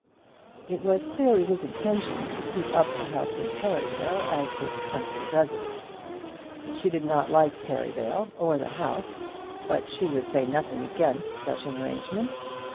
It was clearly his intention to keep up the house in Perivale as his country residence. She did not like Perivale or the house, but she would say nothing against such an arrangement.